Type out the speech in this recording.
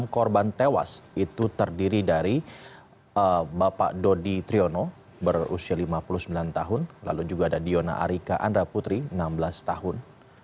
enam korban tewas itu terdiri dari bapak dodi triyono berusia lima puluh sembilan tahun lalu juga ada diona arika anda putri enam belas tahun